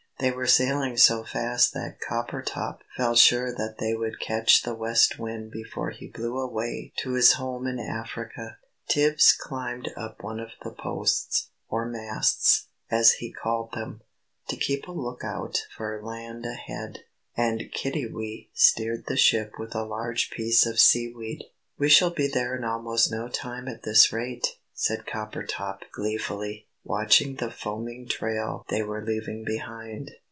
They were sailing so fast that Coppertop felt sure that they would catch the West Wind before he blew away to his home in Africa. Tibbs climbed up one of the posts or "masts," as he called them to keep a look out for land ahead. And Kiddiwee steered the ship with a large piece of seaweed. "We shall be there in almost no time at this rate," said Coppertop gleefully, watching the foaming trail they were leaving behind.